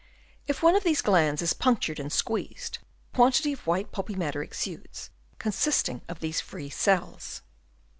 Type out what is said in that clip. If one of these glands is punctured and squeezed, a quantity of white pulpy matter exudes, consisting of these free cells.